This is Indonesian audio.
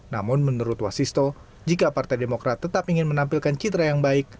namun menurut wasisto jika partai demokrat tetap ingin menampilkan citra yang baik